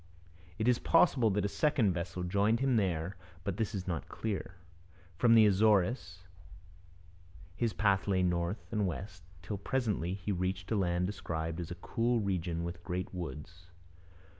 It is possible that a second vessel joined him there, but this is not clear. From the Azores his path lay north and west, till presently he reached a land described as a 'cool region with great woods.'